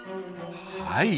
はい。